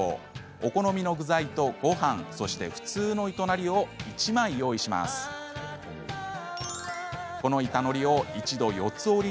お好みの具材とごはんそして普通の板のりを１枚用意します。